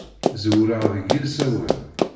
Ẓewreɣ deg yilsawen.